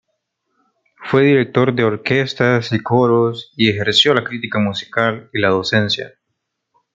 Fue director de orquestas y coros y ejerció la crítica musical y la docencia.